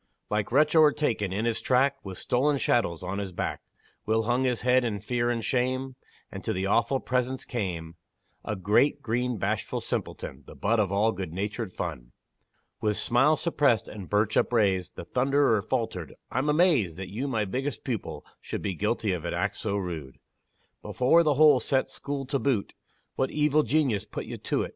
Like wretch o'ertaken in his track, With stolen chattels on his back, Will hung his head in fear and shame, And to the awful presence came A great, green, bashful simpleton, The butt of all good natured fun. With smile suppressed, and birch upraised, The thunderer faltered "I'm amazed That you, my biggest pupil, should Be guilty of an act so rude! Before the whole set school to boot What evil genius put you to't?"